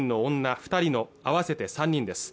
二人の合わせて３人です